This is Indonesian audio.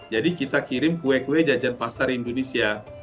jadi kita kirim kue kue jajan pasar indonesia